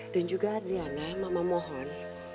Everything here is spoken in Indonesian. dan juga adriana mama mohon